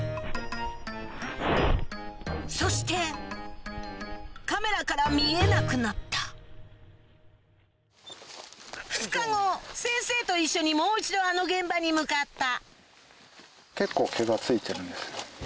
そしてカメラから見えなくなった２日後先生と一緒にもう一度あの現場に向かった結構。